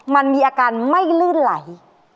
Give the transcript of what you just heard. มันมีอาการไม่ลื่นไหล